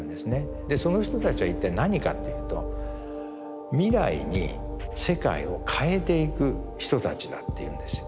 でその人たちは一体何かというと未来に世界を変えていく人たちだっていうんですよ。